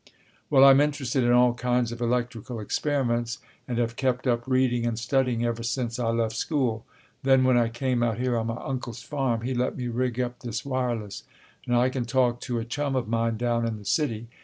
"Well, I'm interested in all kinds of electrical experiments, and have kept up reading and studying ever since I left school, then when I came out here on my uncle's farm, he let me rig up this wireless, and I can talk to a chum of mine down in the city.